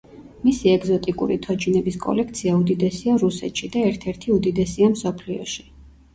მისი ეგზოტიკური თოჯინების კოლექცია უდიდესია რუსეთში და ერთ-ერთი უდიდესია მსოფლიოში.